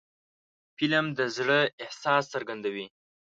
فلم د زړه احساس څرګندوي